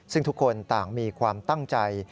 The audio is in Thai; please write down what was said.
ซึ่งทุกคนต่างมีความตั้งใจ